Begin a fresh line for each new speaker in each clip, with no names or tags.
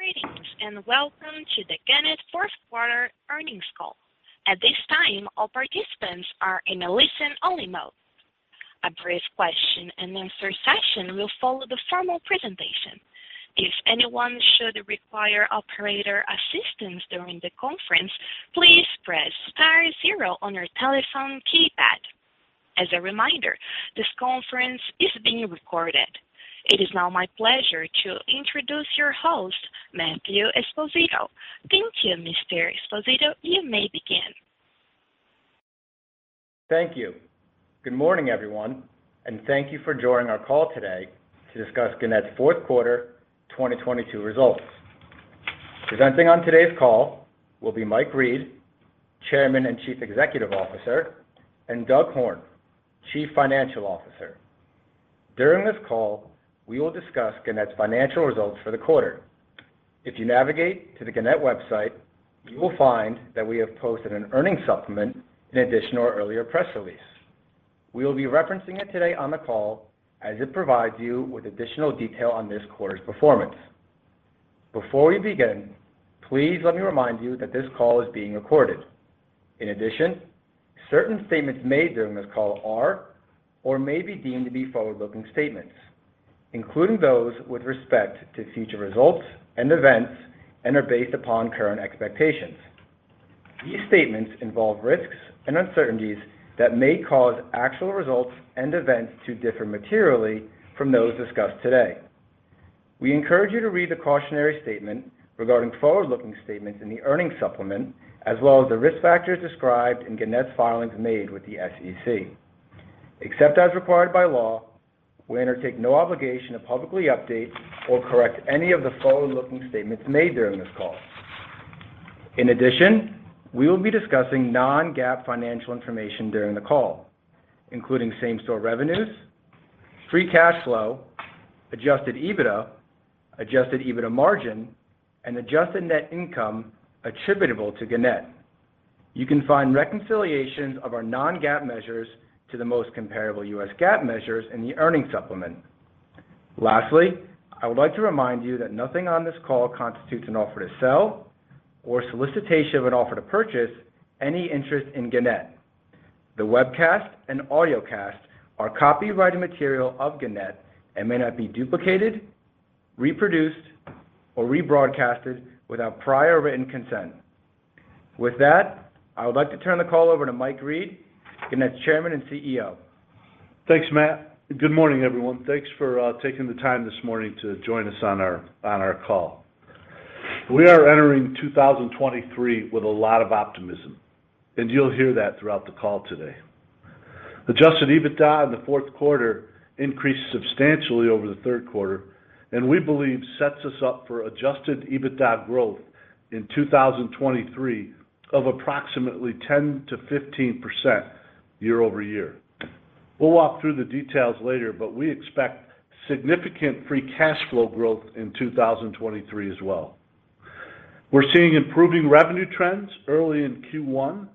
Greetings, and welcome to the Gannett Fourth Quarter Earnings Call. At this time, all participants are in a listen-only mode. A brief question and answer session will follow the formal presentation. If anyone should require operator assistance during the conference, please press star zero on your telephone keypad. As a reminder, this conference is being recorded. It is now my pleasure to introduce your host, Matthew Esposito. Thank you, Mr. Esposito. You may begin.
Thank you. Good morning, everyone, thank you for joining our call today to discuss Gannett's Fourth Quarter 2022 results. Presenting on today's call will be Mike Reed, Chairman and Chief Executive Officer, and Douglas Horne, Chief Financial Officer. During this call we will discuss Gannett's financial results for the quarter. If you navigate to the Gannett website, you will find that we have posted an earnings supplement in addition to our earlier press release. We will be referencing it today on the call as it provides you with additional detail on this quarter's performance. Before we begin, please let me remind you that this call is being recorded. Certain statements made during this call are or may be deemed to be forward-looking statements, including those with respect to future results and events, and are based upon current expectations. These statements involve risks and uncertainties that may cause actual results and events to differ materially from those discussed today. We encourage you to read the cautionary statement regarding forward-looking statements in the earnings supplement, as well as the risk factors described in Gannett's filings made with the SEC. Except as required by law, we undertake no obligation to publicly update or correct any of the forward-looking statements made during this call. We will be discussing non-GAAP financial information during the call, including same-store revenues, free cash flow, adjusted EBITDA, adjusted EBITDA margin, and adjusted net income attributable to Gannett. You can find reconciliations of our non-GAAP measures to the most comparable U.S. GAAP measures in the earnings supplement. I would like to remind you that nothing on this call constitutes an offer to sell or solicitation of an offer to purchase any interest in Gannett. The webcast and audiocast are copyrighted material of Gannett and may not be duplicated, reproduced, or rebroadcasted without prior written consent. With that, I would like to turn the call over to Mike Reed, Gannett's Chairman and CEO.
Thanks, Matt. Good morning, everyone. Thanks for taking the time this morning to join us on our, on our call. We are entering 2023 with a lot of optimism. You'll hear that throughout the call today. Adjusted EBITDA in the fourth quarter increased substantially over the third quarter. We believe sets us up for adjusted EBITDA growth in 2023 of approximately 10%-15% year-over-year. We'll walk through the details later. We expect significant free cash flow growth in 2023 as well. We're seeing improving revenue trends early in Q1.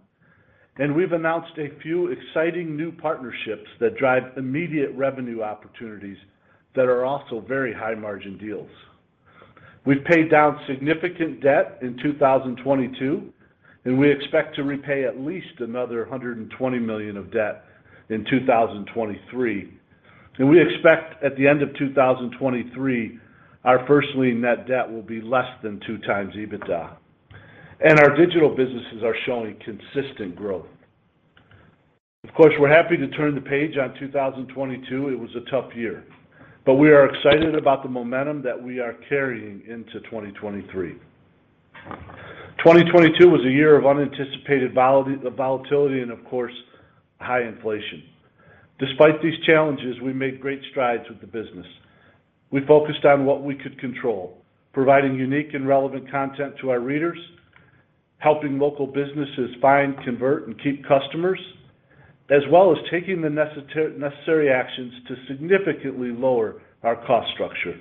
We've announced a few exciting new partnerships that drive immediate revenue opportunities that are also very high margin deals. We've paid down significant debt in 2022, and we expect to repay at least another $120 million of debt in 2023. We expect at the end of 2023, our first-lien net debt will be less than 2x EBITDA. Our digital businesses are showing consistent growth. Of course, we're happy to turn the page on 2022. It was a tough year. We are excited about the momentum that we are carrying into 2023. 2022 was a year of unanticipated volatility and of course, high inflation. Despite these challenges, we made great strides with the business. We focused on what we could control, providing unique and relevant content to our readers, helping local businesses find, convert, and keep customers, as well as taking the necessary actions to significantly lower our cost structure.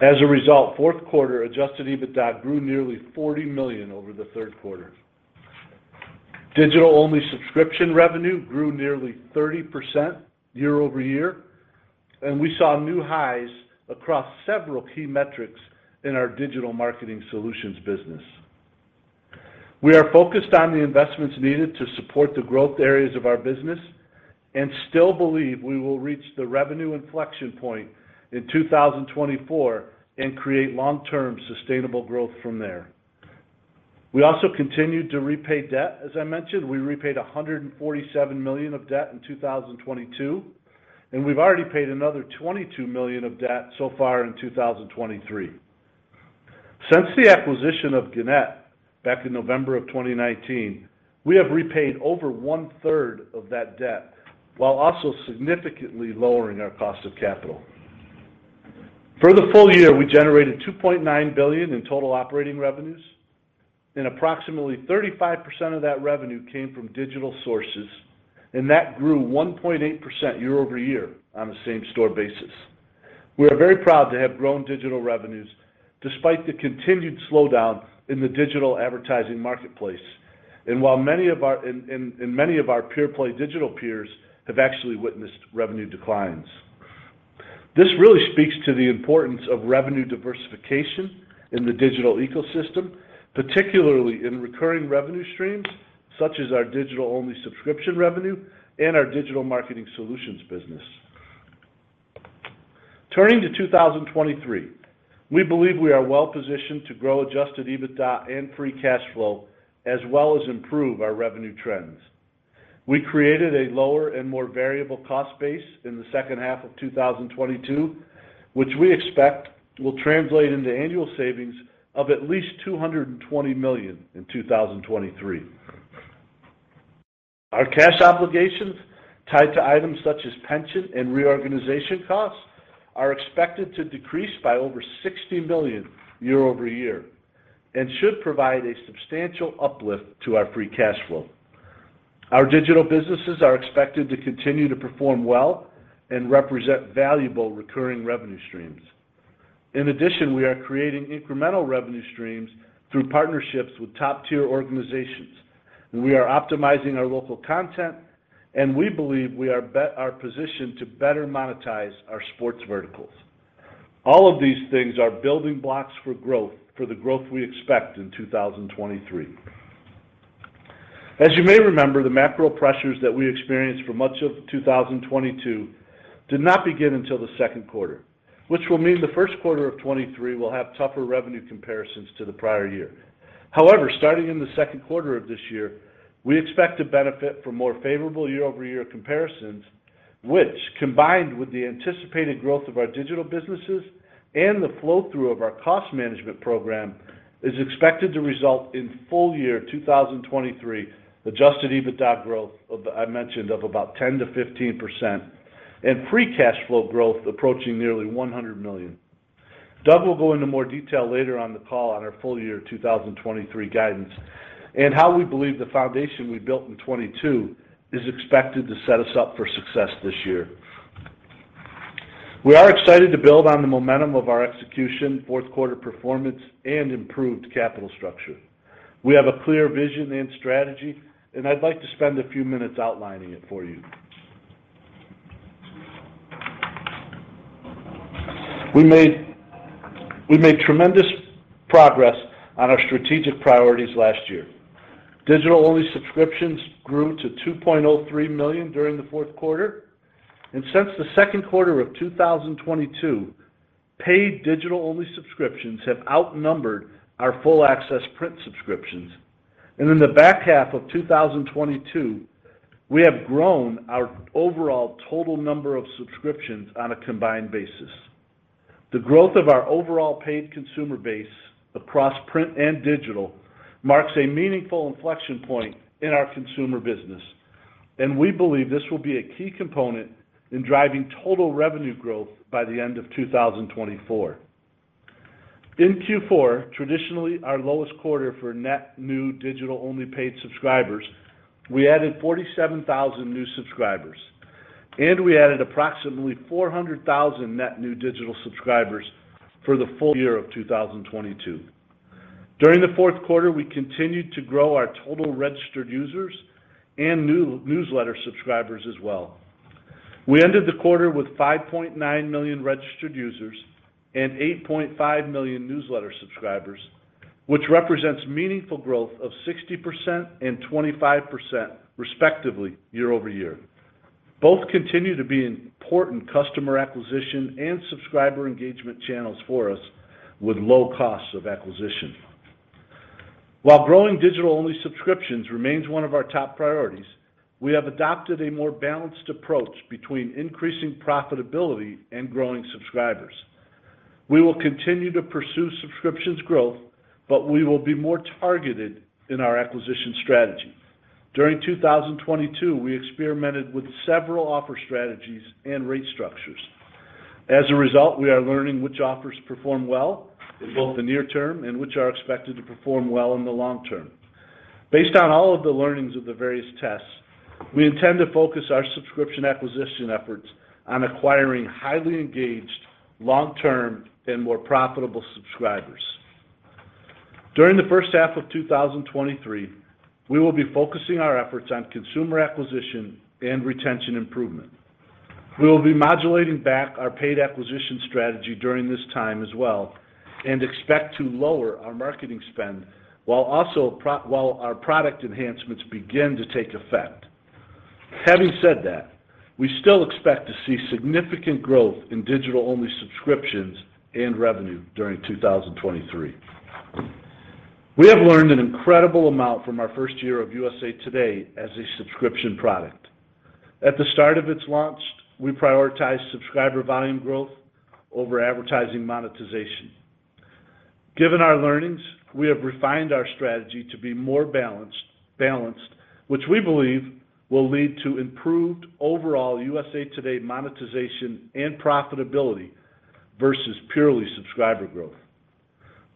As a result, fourth quarter adjusted EBITDA grew nearly $40 million over the third quarter. Digital-only subscription revenue grew nearly 30% year-over-year, and we saw new highs across several key metrics in our digital marketing solutions business. We are focused on the investments needed to support the growth areas of our business and still believe we will reach the revenue inflection point in 2024 and create long-term sustainable growth from there. We also continued to repay debt. As I mentioned, we repaid $147 million of debt in 2022, and we've already paid another $22 million of debt so far in 2023. Since the acquisition of Gannett back in November of 2019, we have repaid over one-third of that debt while also significantly lowering our cost of capital. For the full year we generated $2.9 billion in total operating revenues, approximately 35% of that revenue came from digital sources, and that grew 1.8% year-over-year on a same-store basis. We are very proud to have grown digital revenues despite the continued slowdown in the digital advertising marketplace. While many of our pure play digital peers have actually witnessed revenue declines. This really speaks to the importance of revenue diversification in the digital ecosystem, particularly in recurring revenue streams, such as our digital-only subscription revenue and our digital marketing solutions business. Turning to 2023, we believe we are well-positioned to grow adjusted EBITDA and free cash flow, as well as improve our revenue trends. We created a lower and more variable cost base in the second half of 2022, which we expect will translate into annual savings of at least $220 million in 2023. Our cash obligations tied to items such as pension and reorganization costs are expected to decrease by over $60 million year-over-year and should provide a substantial uplift to our free cash flow. Our digital businesses are expected to continue to perform well and represent valuable recurring revenue streams. We are creating incremental revenue streams through partnerships with top-tier organizations, we are optimizing our local content, we believe we are positioned to better monetize our sports verticals. All of these things are building blocks for growth, for the growth we expect in 2023. As you may remember, the macro pressures that we experienced for much of 2022 did not begin until the second quarter, which will mean the first quarter of 2023 will have tougher revenue comparisons to the prior year. However, starting in the second quarter of this year, we expect to benefit from more favorable year-over-year comparisons, which, combined with the anticipated growth of our digital businesses and the flow-through of our cost management program, is expected to result in full year 2023 adjusted EBITDA growth I mentioned of about 10%-15% and free cash flow growth approaching nearly $100 million. Doug will go into more detail later on the call on our full year 2023 guidance and how we believe the foundation we built in 2022 is expected to set us up for success this year. We are excited to build on the momentum of our execution, fourth quarter performance, and improved capital structure. We have a clear vision and strategy, and I'd like to spend a few minutes outlining it for you. We made tremendous progress on our strategic priorities last year. Digital-only subscriptions grew to $2.03 million during the fourth quarter. Since the second quarter of 2022, paid digital-only subscriptions have outnumbered our full access print subscriptions. In the back half of 2022, we have grown our overall total number of subscriptions on a combined basis. The growth of our overall paid consumer base across print and digital marks a meaningful inflection point in our consumer business, and we believe this will be a key component in driving total revenue growth by the end of 2024. In Q4, traditionally our lowest quarter for net new digital-only paid subscribers, we added 47,000 new subscribers, and we added approximately 400,000 net new digital subscribers for the full year of 2022. During the fourth quarter, we continued to grow our total registered users and new newsletter subscribers as well. We ended the quarter with 5.9 million registered users and 8.5 million newsletter subscribers, which represents meaningful growth of 60% and 25% respectively year-over-year. Both continue to be important customer acquisition and subscriber engagement channels for us with low costs of acquisition. While growing digital-only subscriptions remains one of our top priorities, we have adopted a more balanced approach between increasing profitability and growing subscribers. We will continue to pursue subscriptions growth, but we will be more targeted in our acquisition strategy. During 2022, we experimented with several offer strategies and rate structures. As a result, we are learning which offers perform well in both the near term and which are expected to perform well in the long term. Based on all of the learnings of the various tests, we intend to focus our subscription acquisition efforts on acquiring highly engaged, long-term, and more profitable subscribers. During the first half of 2023, we will be focusing our efforts on consumer acquisition and retention improvement. We will be modulating back our paid acquisition strategy during this time as well and expect to lower our marketing spend while our product enhancements begin to take effect. Having said that, we still expect to see significant growth in digital-only subscriptions and revenue during 2023. We have learned an incredible amount from our first year of USA TODAY as a subscription product. At the start of its launch, we prioritized subscriber volume growth over advertising monetization. Given our learnings, we have refined our strategy to be more balanced, which we believe will lead to improved overall USA TODAY monetization and profitability vs purely subscriber growth.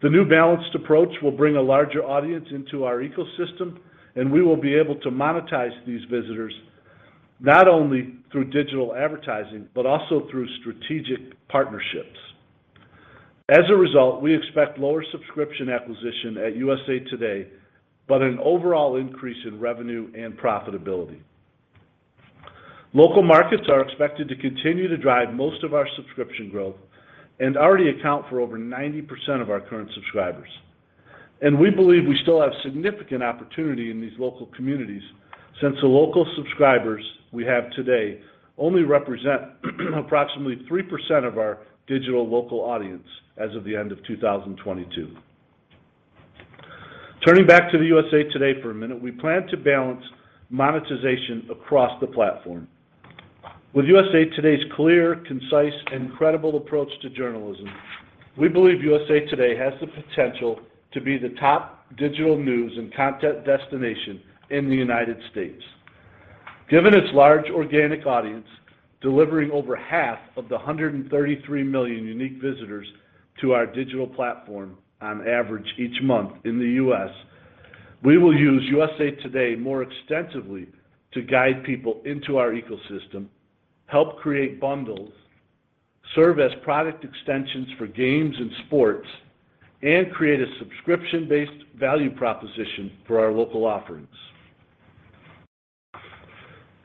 The new balanced approach will bring a larger audience into our ecosystem, and we will be able to monetize these visitors not only through digital advertising but also through strategic partnerships. As a result, we expect lower subscription acquisition at USA TODAY, but an overall increase in revenue and profitability. Local markets are expected to continue to drive most of our subscription growth and already account for over 90% of our current subscribers. We believe we still have significant opportunity in these local communities since the local subscribers we have today only represent approximately 3% of our digital local audience as of the end of 2022. Turning back to USA TODAY for a minute, we plan to balance monetization across the platform. With USA TODAY's clear, concise, and credible approach to journalism, we believe USA TODAY has the potential to be the top digital news and content destination in the United States. Given its large organic audience, delivering over half of the 133 million unique visitors to our digital platform on average each month in the U.S., we will use USA TODAY more extensively to guide people into our ecosystem, help create bundles, serve as product extensions for games and sports, and create a subscription-based value proposition for our local offerings.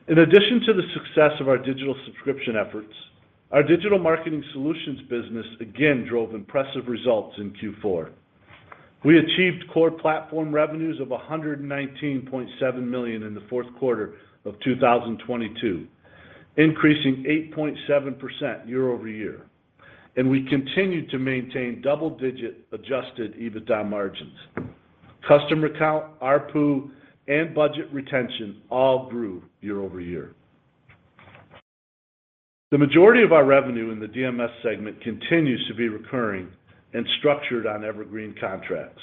In addition to the success of our digital subscription efforts, our digital marketing solutions business again drove impressive results in Q4. We achieved core platform revenues of $119.7 million in the fourth quarter of 2022, increasing 8.7% year-over-year. We continued to maintain double-digit adjusted EBITDA margins. Customer count, ARPU, and budget retention all grew year-over-year. The majority of our revenue in the DMS segment continues to be recurring and structured on evergreen contracts,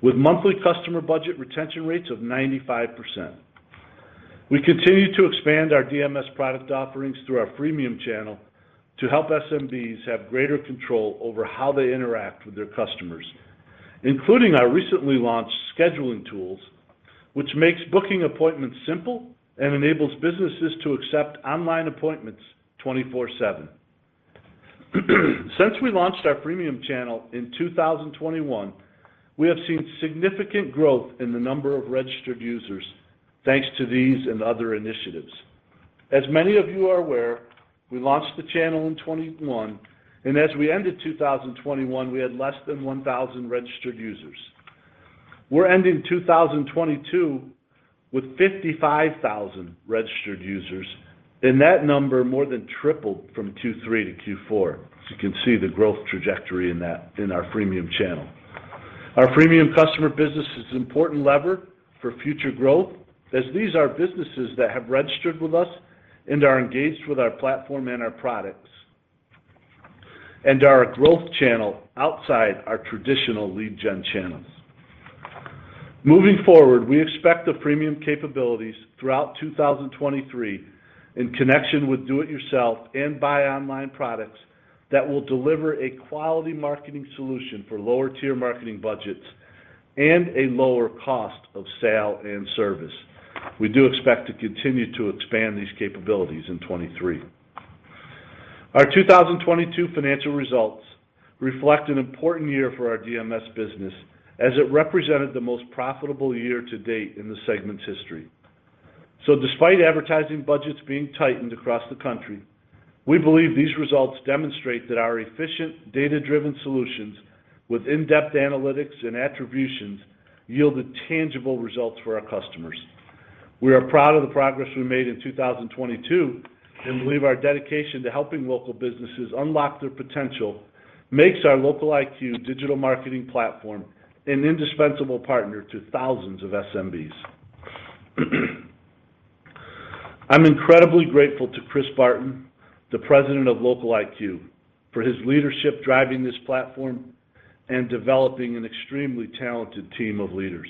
with monthly customer budget retention rates of 95%. We continue to expand our DMS product offerings through our freemium channel to help SMBs have greater control over how they interact with their customers, including our recently launched scheduling tools, which makes booking appointments simple and enables businesses to accept online appointments 24/7. Since we launched our freemium channel in 2021, we have seen significant growth in the number of registered users thanks to these and other initiatives. As many of you are aware, we launched the channel in 2021, and as we ended 2021, we had less than 1,000 registered users. We're ending 2022 with 55,000 registered users, and that number more than tripled from Q3 to Q4. You can see the growth trajectory in that, in our freemium channel. Our freemium customer business is an important lever for future growth, as these are businesses that have registered with us and are engaged with our platform and our products and are a growth channel outside our traditional lead gen channels. Moving forward, we expect the freemium capabilities throughout 2023 in connection with do it yourself and buy online products that will deliver a quality marketing solution for lower-tier marketing budgets and a lower cost of sale and service. We do expect to continue to expand these capabilities in 2023. Our 2022 financial results reflect an important year for our DMS business as it represented the most profitable year to date in the segment's history. Despite advertising budgets being tightened across the country, we believe these results demonstrate that our efficient data-driven solutions with in-depth analytics and attributions yielded tangible results for our customers. We are proud of the progress we made in 2022 and believe our dedication to helping local businesses unlock their potential makes our LocaliQ digital marketing platform an indispensable partner to thousands of SMBs. I'm incredibly grateful to Kris Barton, the president of LocaliQ, for his leadership driving this platform and developing an extremely talented team of leaders.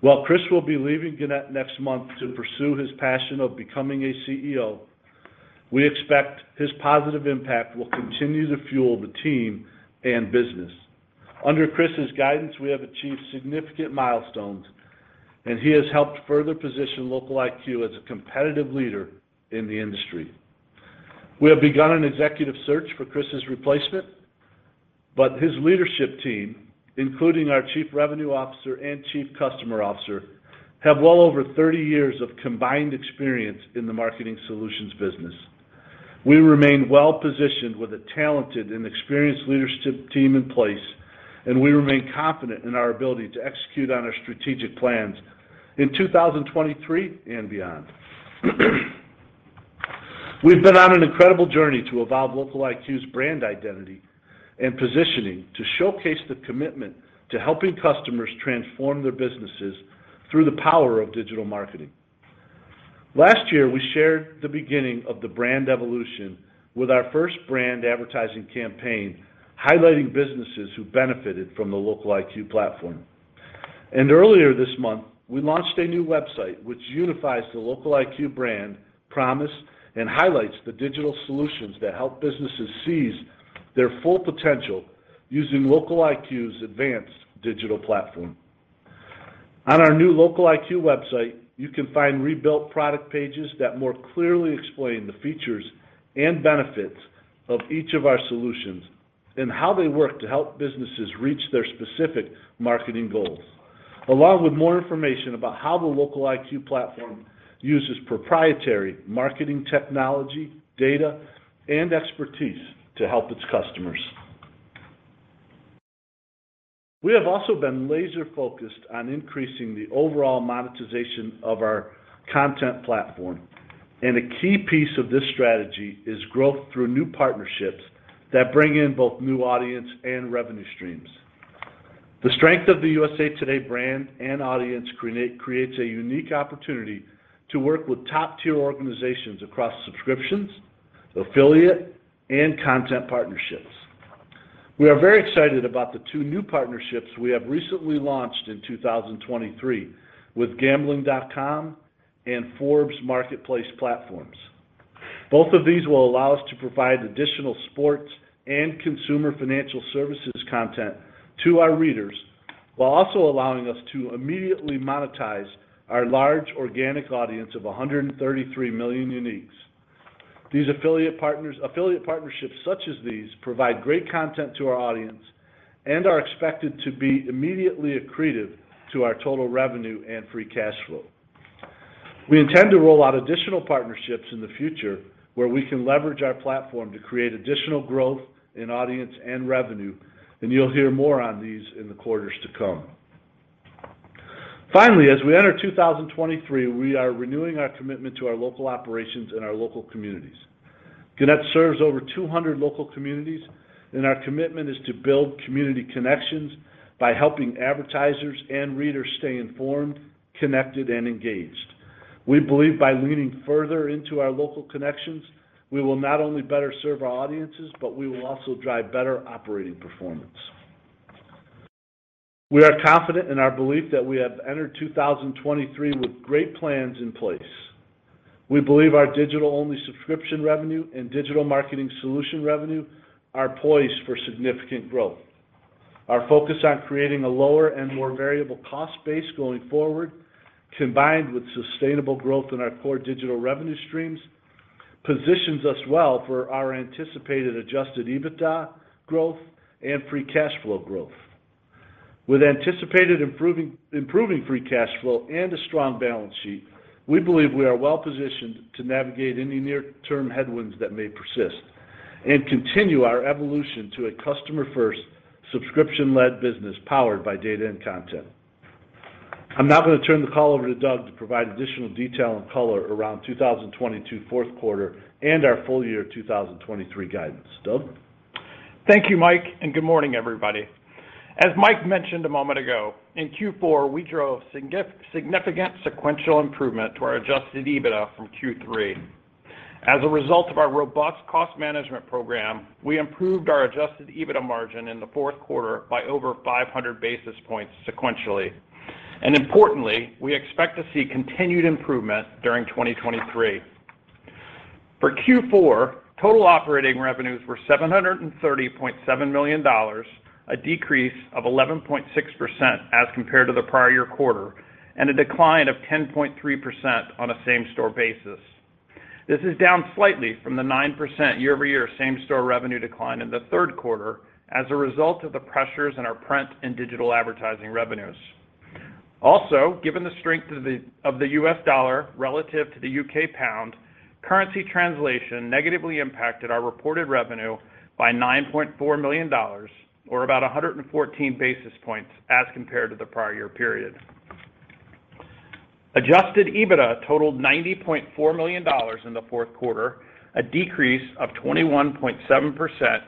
While Kris will be leaving Gannett next month to pursue his passion of becoming a CEO, we expect his positive impact will continue to fuel the team and business. Under Kris's guidance, we have achieved significant milestones, and he has helped further position LocaliQ as a competitive leader in the industry. We have begun an executive search for Kris's replacement, but his leadership team, including our Chief Revenue Officer and Chief Customer Officer, have well over 30 years of combined experience in the marketing solutions business. We remain well-positioned with a talented and experienced leadership team in place, and we remain confident in our ability to execute on our strategic plans in 2023 and beyond. We've been on an incredible journey to evolve LocaliQ's brand identity and positioning to showcase the commitment to helping customers transform their businesses through the power of digital marketing. Last year, we shared the beginning of the brand evolution with our first brand advertising campaign highlighting businesses who benefited from the LocaliQ platform. Earlier this month, we launched a new website which unifies the LocaliQ brand promise and highlights the digital solutions that help businesses seize their full potential using LocaliQ's advanced digital platform. On our new LocaliQ website, you can find rebuilt product pages that more clearly explain the features and benefits of each of our solutions and how they work to help businesses reach their specific marketing goals, along with more information about how the LocaliQ platform uses proprietary marketing technology, data, and expertise to help its customers. We have also been laser focused on increasing the overall monetization of our content platform, and a key piece of this strategy is growth through new partnerships that bring in both new audience and revenue streams. The strength of the USA TODAY brand and audience creates a unique opportunity to work with top tier organizations across subscriptions, affiliate, and content partnerships. We are very excited about the two new partnerships we have recently launched in 2023 with Gambling.com and Forbes Marketplace platforms. Both of these will allow us to provide additional sports and consumer financial services content to our readers while also allowing us to immediately monetize our large organic audience of 133 million uniques. These affiliate partnerships such as these provide great content to our audience and are expected to be immediately accretive to our total revenue and free cash flow. We intend to roll out additional partnerships in the future where we can leverage our platform to create additional growth in audience and revenue, and you'll hear more on these in the quarters to come. Finally, as we enter 2023, we are renewing our commitment to our local operations and our local communities. Gannett serves over 200 local communities, and our commitment is to build community connections by helping advertisers and readers stay informed, connected, and engaged. We believe by leaning further into our local connections, we will not only better serve our audiences, but we will also drive better operating performance. We are confident in our belief that we have entered 2023 with great plans in place. We believe our digital-only subscription revenue and digital marketing solution revenue are poised for significant growth. Our focus on creating a lower and more variable cost base going forward, combined with sustainable growth in our core digital revenue streams, positions us well for our anticipated adjusted EBITDA growth and free cash flow growth. With anticipated improving free cash flow and a strong balance sheet, we believe we are well-positioned to navigate any near-term headwinds that may persist and continue our evolution to a customer-first, subscription-led business powered by data and content. I'm now going to turn the call over to Doug to provide additional detail and color around 2022 fourth quarter and our full year 2023 guidance. Doug?
Thank you, Mike. Good morning, everybody. As Mike mentioned a moment ago, in Q4, we drove significant sequential improvement to our adjusted EBITDA from Q3. As a result of our robust cost management program, we improved our adjusted EBITDA margin in the fourth quarter by over 500 basis points sequentially. Importantly, we expect to see continued improvement during 2023. For Q4, total operating revenues were $730.7 million, a decrease of 11.6% as compared to the prior year quarter, and a decline of 10.3% on a same-store basis. This is down slightly from the 9% year-over-year same-store revenue decline in the third quarter as a result of the pressures in our print and digital advertising revenues. Given the strength of the U.S. dollar relative to the U.K. pound, currency translation negatively impacted our reported revenue by $9.4 million or about 114 basis points as compared to the prior year period. Adjusted EBITDA totaled $90.4 million in the fourth quarter, a decrease of 21.7%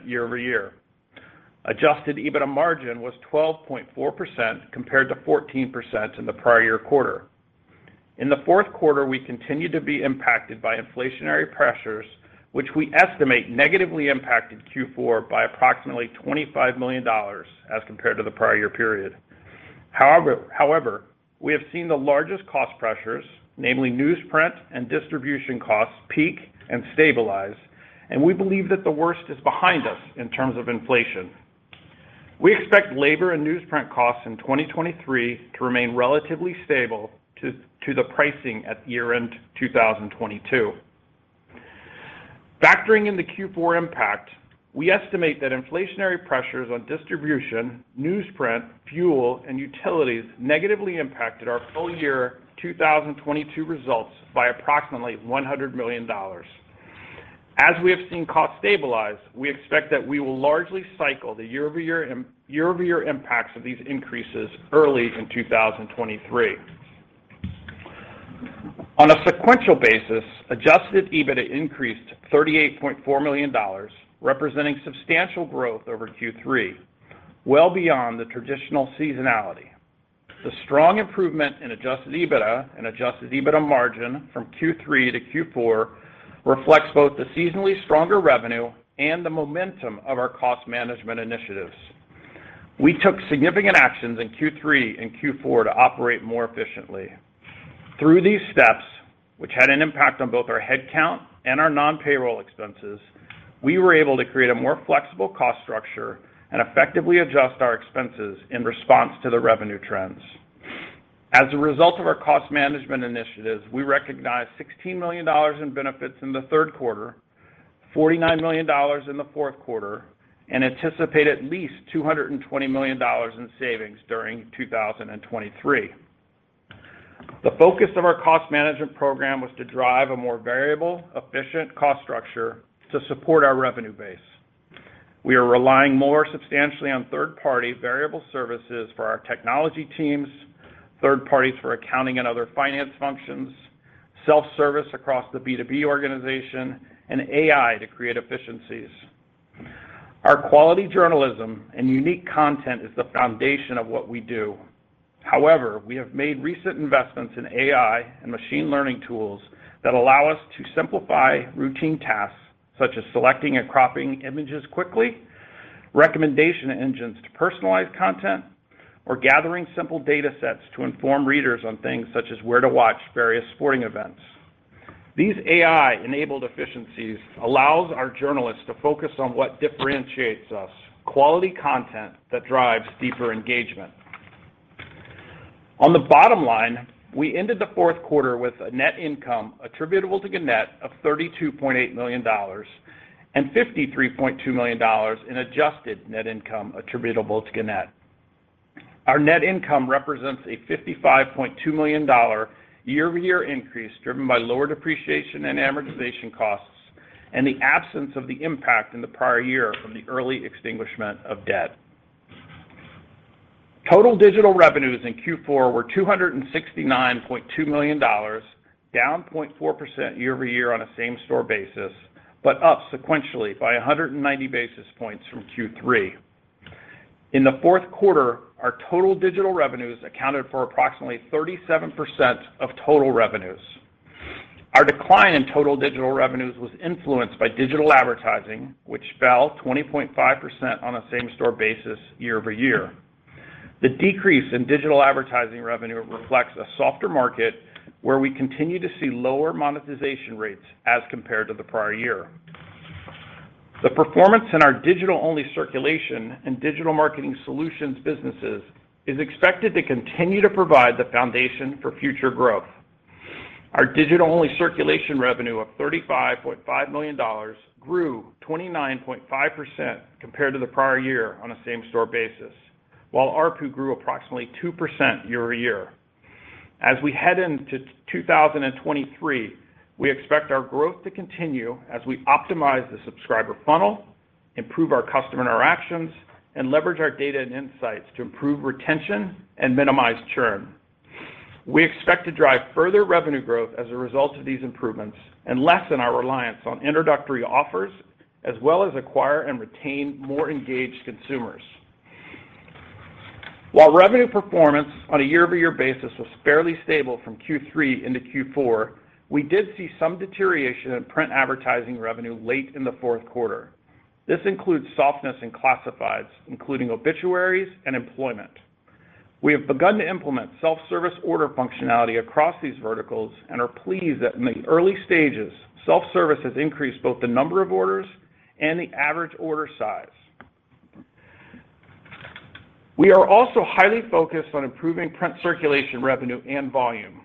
year-over-year. Adjusted EBITDA margin was 12.4% compared to 14% in the prior year quarter. In the fourth quarter, we continued to be impacted by inflationary pressures, which we estimate negatively impacted Q4 by approximately $25 million as compared to the prior year period. However, we have seen the largest cost pressures, namely newsprint and distribution costs, peak and stabilize, and we believe that the worst is behind us in terms of inflation. We expect labor and newsprint costs in 2023 to remain relatively stable to the pricing at year-end 2022. Factoring in the Q4 impact, we estimate that inflationary pressures on distribution, newsprint, fuel, and utilities negatively impacted our full year 2022 results by approximately $100 million. As we have seen costs stabilize, we expect that we will largely cycle the year-over-year impacts of these increases early in 2023. On a sequential basis, adjusted EBITDA increased $38.4 million, representing substantial growth over Q3, well beyond the traditional seasonality. The strong improvement in adjusted EBITDA and adjusted EBITDA margin from Q3 to Q4 reflects both the seasonally stronger revenue and the momentum of our cost management initiatives. We took significant actions in Q3 and Q4 to operate more efficiently. Through these steps, which had an impact on both our headcount and our non-payroll expenses, we were able to create a more flexible cost structure and effectively adjust our expenses in response to the revenue trends. As a result of our cost management initiatives, we recognized $16 million in benefits in the third quarter, $49 million in the fourth quarter, and anticipate at least $220 million in savings during 2023. The focus of our cost management program was to drive a more variable, efficient cost structure to support our revenue base. We are relying more substantially on third-party variable services for our technology teams, third parties for accounting and other finance functions, self-service across the B2B organization, and AI to create efficiencies. We have made recent investments in AI and machine learning tools that allow us to simplify routine tasks, such as selecting and cropping images quickly, recommendation engines to personalize content, or gathering simple data sets to inform readers on things such as where to watch various sporting events. These AI-enabled efficiencies allows our journalists to focus on what differentiates us, quality content that drives deeper engagement. On the bottom line, we ended the fourth quarter with a net income attributable to Gannett of $32.8 million and $53.2 million in adjusted net income attributable to Gannett. Our net income represents a $55.2 million year-over-year increase driven by lower depreciation and amortization costs and the absence of the impact in the prior year from the early extinguishment of debt. Total digital revenues in Q4 were $269.2 million, down 0.4% year-over-year on a same-store basis, but up sequentially by 190 basis points from Q3. In the fourth quarter, our total digital revenues accounted for approximately 37% of total revenues. Our decline in total digital revenues was influenced by digital advertising, which fell 20.5% on a same-store basis year-over-year. The decrease in digital advertising revenue reflects a softer market where we continue to see lower monetization rates as compared to the prior year. The performance in our digital-only circulation and digital marketing solutions businesses is expected to continue to provide the foundation for future growth. Our digital-only circulation revenue of $35.5 million grew 29.5% compared to the prior year on a same-store basis, while ARPU grew approximately 2% year-over-year. We head into 2023, we expect our growth to continue as we optimize the subscriber funnel, improve our customer interactions, and leverage our data and insights to improve retention and minimize churn. We expect to drive further revenue growth as a result of these improvements and lessen our reliance on introductory offers as well as acquire and retain more engaged consumers. Revenue performance on a year-over-year basis was fairly stable from Q3 into Q4, we did see some deterioration in print advertising revenue late in the fourth quarter. This includes softness in classifieds, including obituaries and employment. We have begun to implement self-service order functionality across these verticals and are pleased that in the early stages, self-service has increased both the number of orders and the average order size. We are also highly focused on improving print circulation revenue and volume.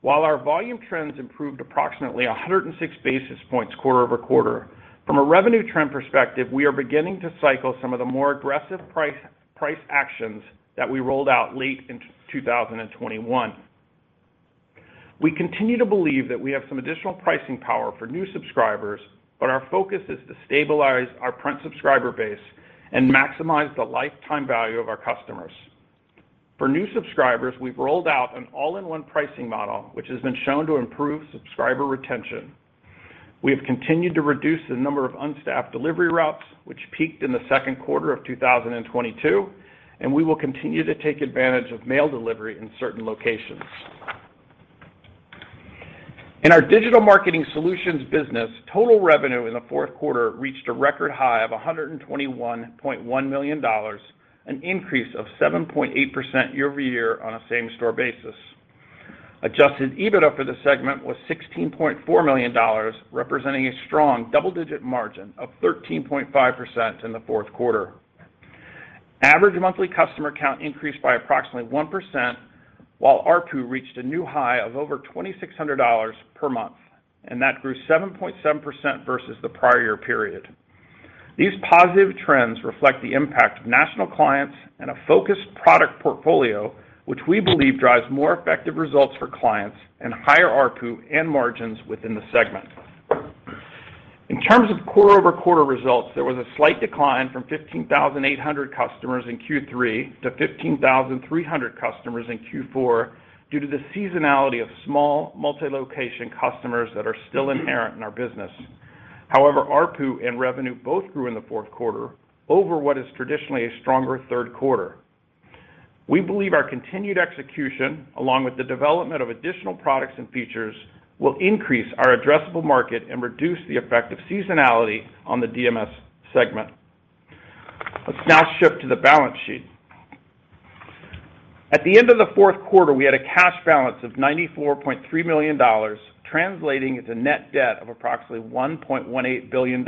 While our volume trends improved approximately 106 basis points quarter-over-quarter, from a revenue trend perspective, we are beginning to cycle some of the more aggressive price actions that we rolled out late in 2021. We continue to believe that we have some additional pricing power for new subscribers, but our focus is to stabilize our print subscriber base and maximize the lifetime value of our customers. For new subscribers, we've rolled out an all-in-one pricing model, which has been shown to improve subscriber retention. We have continued to reduce the number of unstaffed delivery routes, which peaked in the second quarter of 2022, and we will continue to take advantage of mail delivery in certain locations. In our digital marketing solutions business, total revenue in the fourth quarter reached a record high of $121.1 million, an increase of 7.8% year-over-year on a same-store basis. adjusted EBITDA for the segment was $16.4 million, representing a strong double-digit margin of 13.5% in the fourth quarter. Average monthly customer count increased by approximately 1%, while ARPU reached a new high of over $2,600 per month, and that grew 7.7% vs the prior year period. These positive trends reflect the impact of national clients and a focused product portfolio, which we believe drives more effective results for clients and higher ARPU and margins within the segment. In terms of quarter-over-quarter results, there was a slight decline from 15,800 customers in Q3 to 15,300 customers in Q4 due to the seasonality of small multi-location customers that are still inherent in our business. ARPU and revenue both grew in the fourth quarter over what is traditionally a stronger third quarter. We believe our continued execution, along with the development of additional products and features, will increase our addressable market and reduce the effect of seasonality on the DMS segment. Let's now shift to the balance sheet. At the end of the fourth quarter, we had a cash balance of $94.3 million, translating into net debt of approximately $1.18 billion.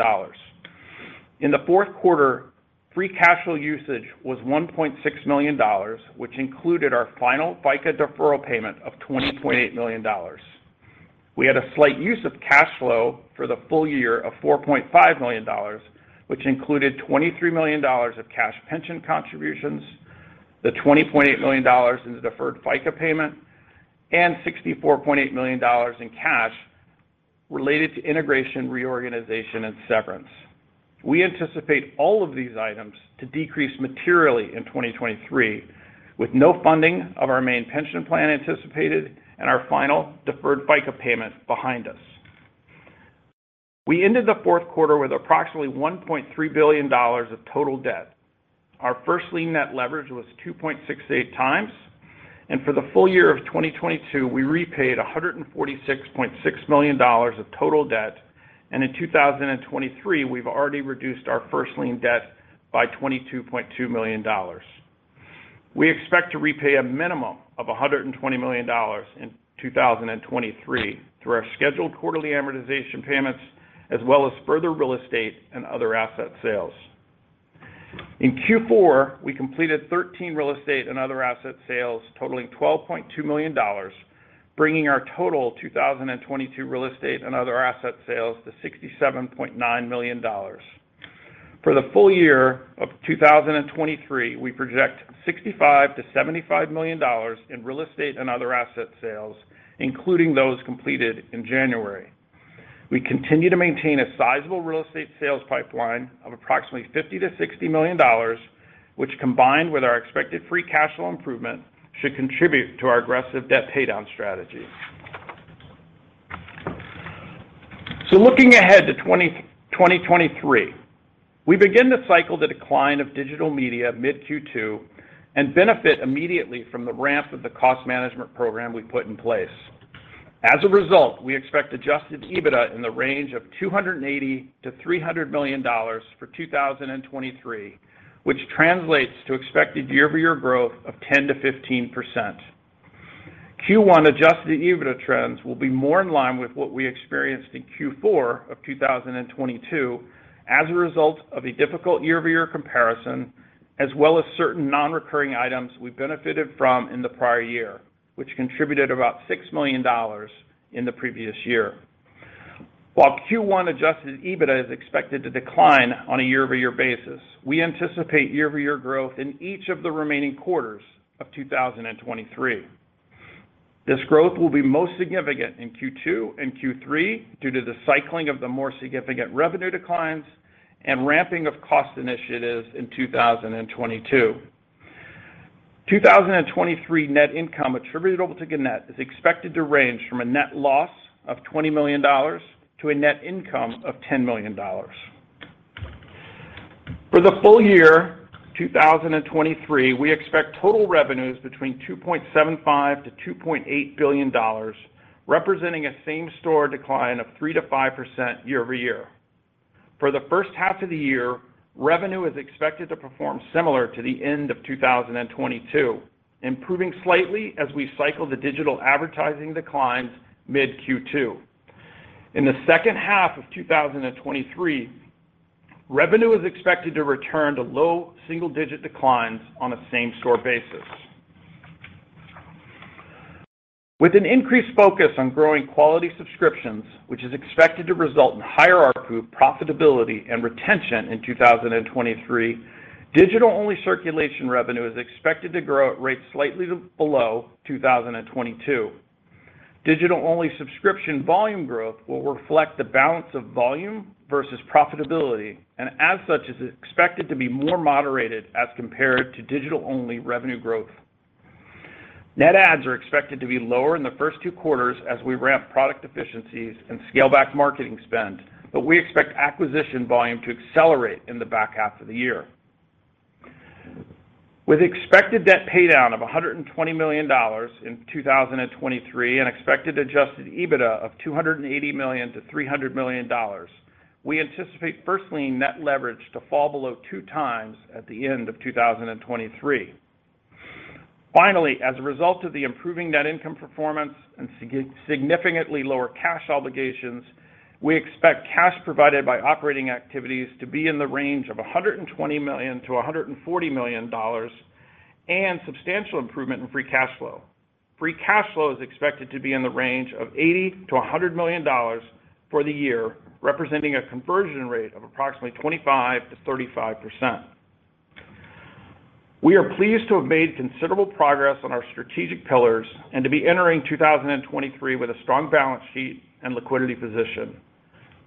In the fourth quarter, free cash flow usage was $1.6 million, which included our final FICA deferral payment of $20.8 million. We had a slight use of cash flow for the full year of $4.5 million, which included $23 million of cash pension contributions, the $20.8 million in the deferred FICA payment, and $64.8 million in cash related to integration, reorganization, and severance. We anticipate all of these items to decrease materially in 2023, with no funding of our main pension plan anticipated and our final deferred FICA payment behind us. We ended the fourth quarter with approximately $1.3 billion of total debt. Our first-lien net leverage was 2.68 times. For the full year of 2022, we repaid $146.6 million of total debt. In 2023, we've already reduced our first-lien debt by $22.2 million. We expect to repay a minimum of $120 million in 2023 through our scheduled quarterly amortization payments, as well as further real estate and other asset sales. In Q4, we completed 13 real estate and other asset sales totaling $12.2 million, bringing our total 2022 real estate and other asset sales to $67.9 million. For the full year of 2023, we project $65 million-$75 million in real estate and other asset sales, including those completed in January. We continue to maintain a sizable real estate sales pipeline of approximately $50 million-$60 million, which combined with our expected free cash flow improvement, should contribute to our aggressive debt paydown strategy. Looking ahead to 2023, we begin to cycle the decline of digital media mid-Q2 and benefit immediately from the ramp of the cost management program we put in place. As a result, we expect adjusted EBITDA in the range of $280 million-$300 million for 2023, which translates to expected year-over-year growth of 10%-15%. Q1 adjusted EBITDA trends will be more in line with what we experienced in Q4 of 2022 as a result of a difficult year-over-year comparison, as well as certain non-recurring items we benefited from in the prior year, which contributed about $6 million in the previous year. While Q1 adjusted EBITDA is expected to decline on a year-over-year basis, we anticipate year-over-year growth in each of the remaining quarters of 2023. This growth will be most significant in Q2 and Q3 due to the cycling of the more significant revenue declines and ramping of cost initiatives in 2022. 2023 net income attributable to Gannett is expected to range from a net loss of $20 million to a net income of $10 million. For the full year 2023, we expect total revenues between $2.75 billion-$2.8 billion, representing a same-store decline of 3%-5% year-over-year. For the first half of the year, revenue is expected to perform similar to the end of 2022, improving slightly as we cycle the digital advertising declines mid-Q2. In the second half of 2023, revenue is expected to return to low single-digit declines on a same-store basis. With an increased focus on growing quality subscriptions, which is expected to result in higher ARPU profitability and retention in 2023, digital-only circulation revenue is expected to grow at rates slightly below 2022. Digital-only subscription volume growth will reflect the balance of volume vs profitability, and as such, is expected to be more moderated as compared to digital-only revenue growth. Net adds are expected to be lower in the first two quarters as we ramp product efficiencies and scale back marketing spend, we expect acquisition volume to accelerate in the back half of the year. With expected debt paydown of $120 million in 2023 and expected adjusted EBITDA of $280 million-$300 million, we anticipate first-lien net leverage to fall below 2 times at the end of 2023. Finally, as a result of the improving net income performance and significantly lower cash obligations, we expect cash provided by operating activities to be in the range of $120 million-$140 million and substantial improvement in free cash flow. Free cash flow is expected to be in the range of $80 million-$100 million for the year, representing a conversion rate of approximately 25%-35%. We are pleased to have made considerable progress on our strategic pillars and to be entering 2023 with a strong balance sheet and liquidity position.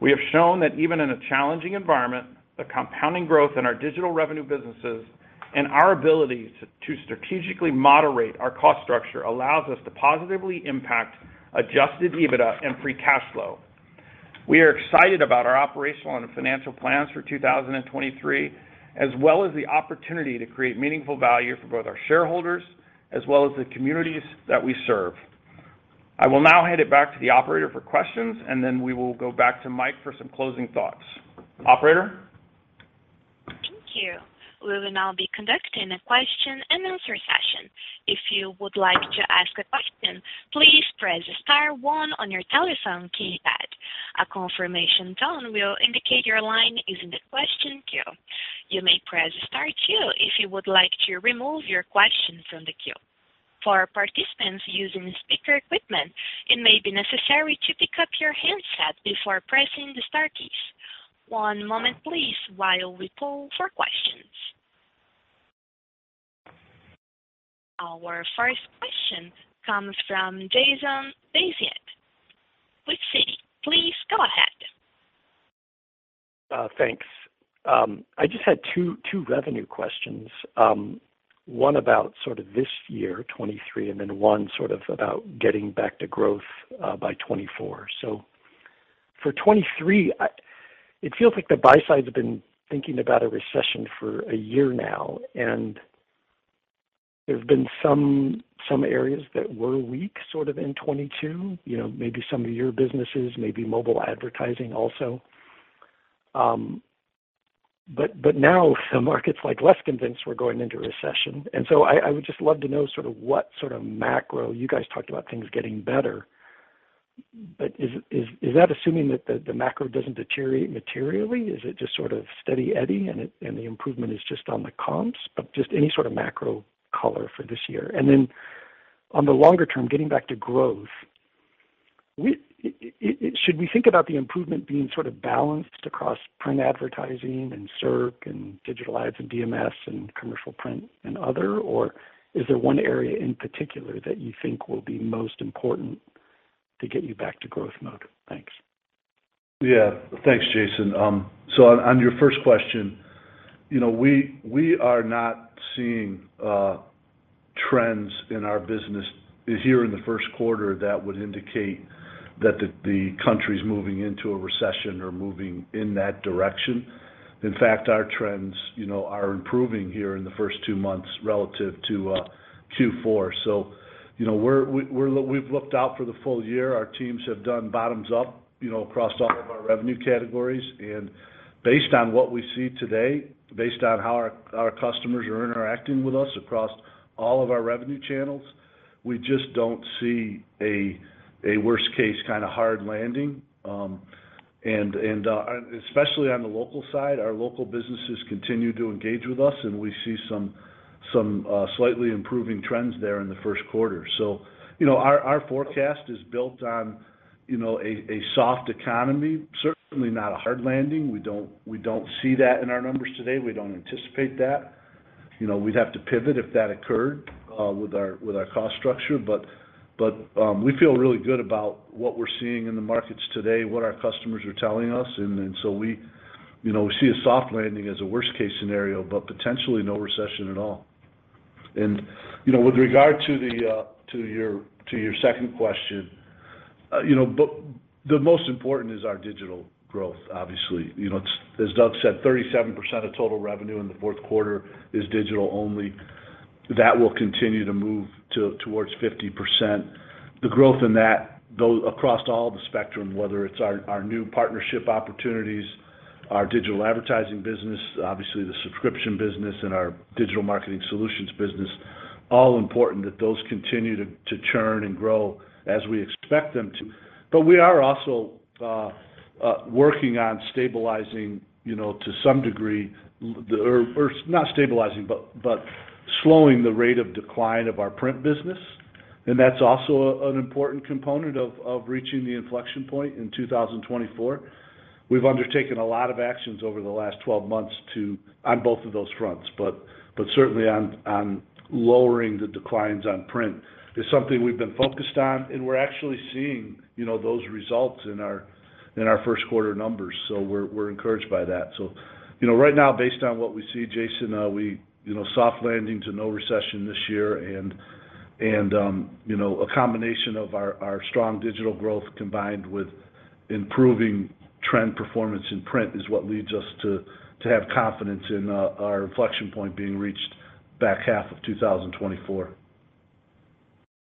We have shown that even in a challenging environment, the compounding growth in our digital revenue businesses and our ability to strategically moderate our cost structure allows us to positively impact adjusted EBITDA and free cash flow. We are excited about our operational and financial plans for 2023, as well as the opportunity to create meaningful value for both our shareholders as well as the communities that we serve. I will now hand it back to the operator for questions, and then we will go back to Mike for some closing thoughts. Operator?
Thank you. We will now be conducting a question-and-answer session. If you would like to ask a question, please press star one on your telephone keypad. A confirmation tone will indicate your line is in the question queue. You may press star two if you would like to remove your question from the queue. For participants using speaker equipment, it may be necessary to pick up your handset before pressing the star keys. One moment please while we poll for questions. Our first question comes from Jason Bazinet with Citi. Please go ahead.
Thanks. I just had two revenue questions. One about sort of this year, 2023, and then one sort of about getting back to growth by 2024. For 2023, it feels like the buy side's been thinking about a recession for a year now, and there's been some areas that were weak sort of in 2022. You know, maybe some of your businesses, maybe mobile advertising also. Now the market's, like, less convinced we're going into recession. I would just love to know sort of what sort of macro... You guys talked about things getting better, but is that assuming that the macro doesn't deteriorate materially? Is it just sort of steady eddy and the improvement is just on the comps? Just any sort of macro color for this year. On the longer term, getting back to growth, should we think about the improvement being sort of balanced across print advertising and circ and digital ads and DMS and commercial print and other? Or is there one area in particular that you think will be most important to get you back to growth mode? Thanks.
Yeah. Thanks, Jason. On, on your first question, you know, we are not seeing trends in our business here in the first quarter that would indicate that the country's moving into a recession or moving in that direction. In fact, our trends, you know, are improving here in the first two months relative to Q4. You know, We've looked out for the full year. Our teams have done bottoms up, you know, across all of our revenue categories. Based on what we see today, based on how our customers are interacting with us across all of our revenue channels, we just don't see a worst case kind of hard landing. Especially on the local side, our local businesses continue to engage with us, and we see some slightly improving trends there in the first quarter. You know, our forecast is built on, you know, a soft economy, certainly not a hard landing. We don't see that in our numbers today. We don't anticipate that. You know, we'd have to pivot if that occurred, with our cost structure. We feel really good about what we're seeing in the markets today, what our customers are telling us. Then, we, you know, we see a soft landing as a worst case scenario, but potentially no recession at all. You know, with regard to the, to your second question, you know, but the most important is our digital growth, obviously. You know, it's as Doug said, 37% of total revenue in the fourth quarter is digital only. That will continue to move towards 50%. The growth in that go across all the spectrum, whether it's our new partnership opportunities, our digital advertising business, obviously the subscription business and our digital marketing solutions business, all important that those continue to churn and grow as we expect them to. We are also working on stabilizing, you know, to some degree, the. Or not stabilizing, but slowing the rate of decline of our print business. That's also an important component of reaching the inflection point in 2024. We've undertaken a lot of actions over the last 12 months to. On both of those fronts. Certainly on lowering the declines on print is something we've been focused on, and we're actually seeing, you know, those results in our first quarter numbers. We're encouraged by that. You know, right now, based on what we see, Jason, we, you know, soft landing to no recession this year and, you know, a combination of our strong digital growth combined with improving trend performance in print is what leads us to have confidence in our inflection point being reached back half of 2024.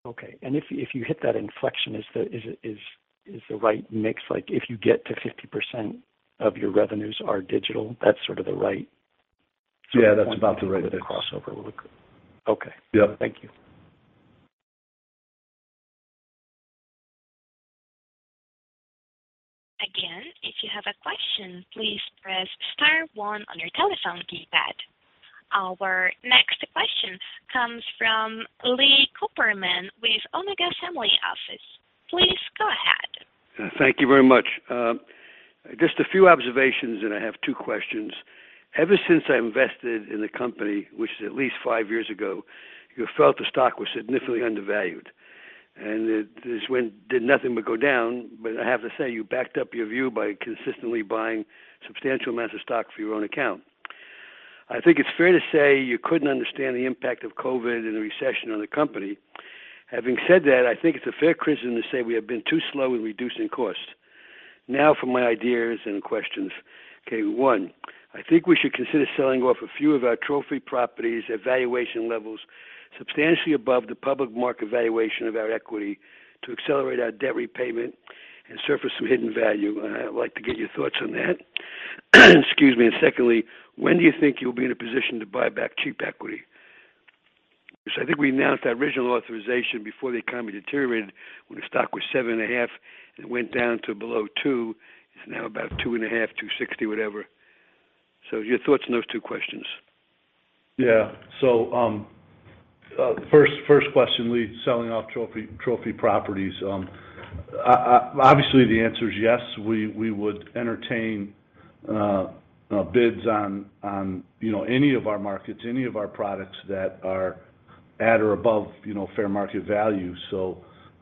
Okay. If, if you hit that inflection, is the right mix? Like, if you get to 50% of your revenues are digital, that's sort of the right-
Yeah, that's about the right mix.
sort of point where the crossover will occur. Okay.
Yep.
Thank you.
Again, if you have a question, please press star one on your telephone keypad. Our next question comes from Lee Cooperman with Omega Family Office. Please go ahead.
Thank you very much. Just a few observations, and I have two questions. Ever since I invested in the company, which is at least five years ago, you felt the stock was significantly undervalued. It just went... Did nothing but go down. I have to say, you backed up your view by consistently buying substantial amounts of stock for your own account. I think it's fair to say you couldn't understand the impact of COVID and the recession on the company. Having said that, I think it's a fair criticism to say we have been too slow in reducing costs. Now for my ideas and questions. Okay. one, I think we should consider selling off a few of our trophy properties at valuation levels substantially above the public market valuation of our equity to accelerate our debt repayment and surface some hidden value. I would like to get your thoughts on that. Excuse me. Secondly, when do you think you'll be in a position to buy back cheap equity? I think we announced that original authorization before the economy deteriorated when the stock was seven and a half, and it went down to below two. It's now about two and a half, $2.60, whatever. Your thoughts on those two questions.
Yeah. First question, Lee, selling off trophy properties. Obviously, the answer is yes, we would entertain bids on, you know, any of our markets, any of our products that are at or above, you know, fair market value.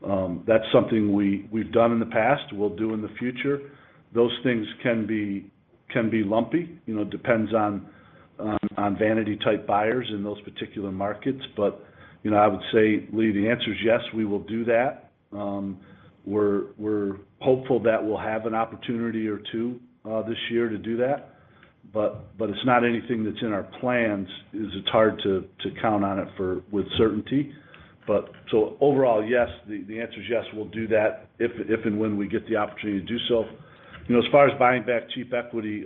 That's something we've done in the past, we'll do in the future. Those things can be lumpy, you know, depends on vanity-type buyers in those particular markets. You know, I would say, Lee, the answer is yes, we will do that. We're hopeful that we'll have an opportunity or two this year to do that. It's not anything that's in our plans as it's hard to count on it with certainty. Overall, yes, the answer is yes, we'll do that if and when we get the opportunity to do so. You know, as far as buying back cheap equity,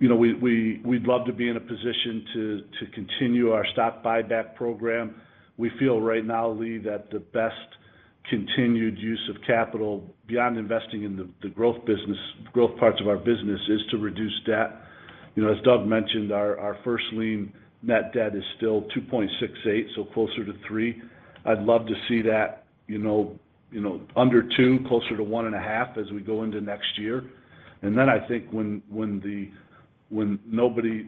you know, we'd love to be in a position to continue our stock buyback program. We feel right now, Lee, that the best continued use of capital beyond investing in the growth business, growth parts of our business is to reduce debt. You know, as Doug mentioned, our first lien net debt is still $2.68, so closer to $3. I'd love to see that, you know, under $2, closer to $1.5 as we go into next year. I think when the, when nobody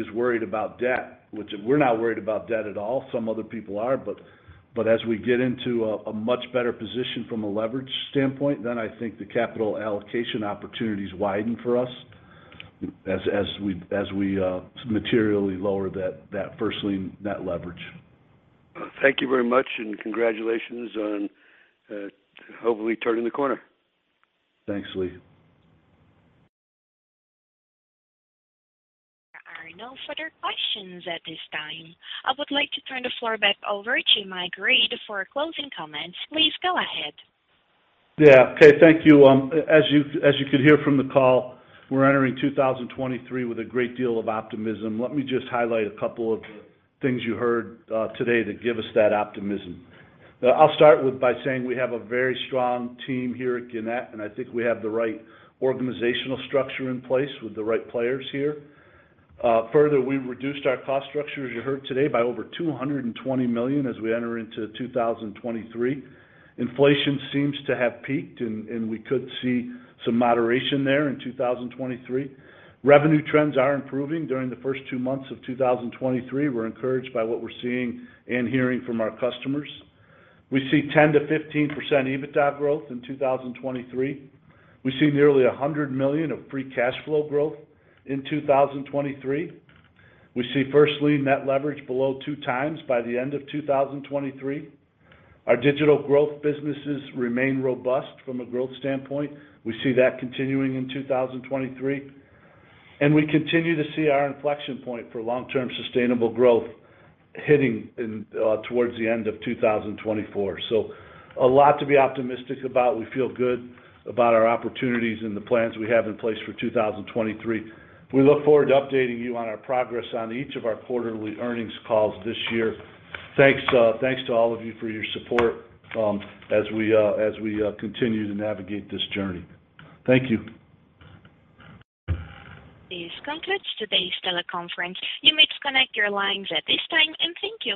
is worried about debt, which we're not worried about debt at all, some other people are, but as we get into a much better position from a leverage standpoint, then I think the capital allocation opportunities widen for us as we materially lower that first-lien net leverage.
Thank you very much, and congratulations on hopefully turning the corner.
Thanks, Lee.
There are no further questions at this time. I would like to turn the floor back over to Mike Reed for closing comments. Please go ahead.
Yeah. Okay. Thank you. As you, as you could hear from the call, we're entering 2023 with a great deal of optimism. Let me just highlight a couple of things you heard today that give us that optimism. I'll start with by saying we have a very strong team here at Gannett, and I think we have the right organizational structure in place with the right players here. Further, we've reduced our cost structure, as you heard today, by over $220 million as we enter into 2023. Inflation seems to have peaked and we could see some moderation there in 2023. Revenue trends are improving during the first two months of 2023. We're encouraged by what we're seeing and hearing from our customers. We see 10%-15% EBITDA growth in 2023. We see nearly $100 million of free cash flow growth in 2023. We see first-lien net leverage below 2 times by the end of 2023. Our digital growth businesses remain robust from a growth standpoint. We see that continuing in 2023. We continue to see our inflection point for long-term sustainable growth hitting in towards the end of 2024. A lot to be optimistic about. We feel good about our opportunities and the plans we have in place for 2023. We look forward to updating you on our progress on each of our quarterly earnings calls this year. Thanks, thanks to all of you for your support, as we continue to navigate this journey. Thank you.
This concludes today's teleconference. You may disconnect your lines at this time, and thank you.